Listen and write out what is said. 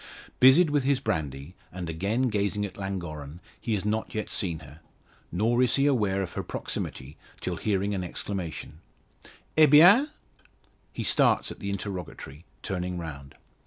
Busied with his brandy, and again gazing at Llangorren, he has not yet seen her; nor is he aware of her proximity till hearing an exclamation: "Eh, bien?" He starts at the interrogatory, turning round.